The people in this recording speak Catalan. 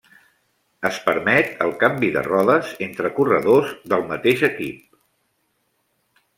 Es permet el canvi de rodes entre corredors del mateix equip.